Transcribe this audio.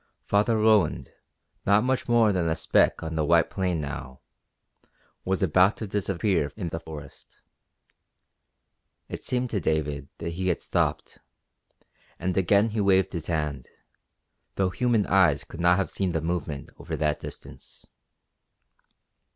Father Roland, not much more than a speck on the white plain now, was about to disappear in the forest. It seemed to David that he had stopped, and again he waved his hand, though human eyes could not have seen the movement over that distance.